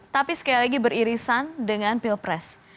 tapi sekali lagi beririsan dengan pilpres